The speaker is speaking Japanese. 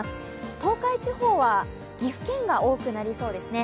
東海地方は岐阜県が多くなりそうですね。